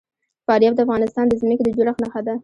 فاریاب د افغانستان د ځمکې د جوړښت نښه ده.